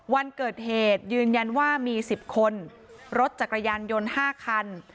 วันเกิดเหตุยืนยันว่ามี๑๐คนรถจักรยานยนต์๕คัน